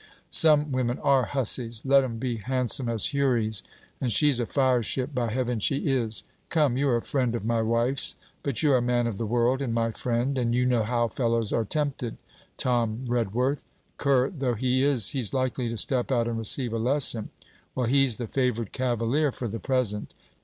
Some women are hussies, let 'em be handsome as houris. And she's a fire ship; by heaven, she is! Come, you're a friend of my wife's, but you're a man of the world and my friend, and you know how fellows are tempted, Tom Redworth. Cur though he is, he's likely to step out and receive a lesson. Well, he's the favoured cavalier for the present...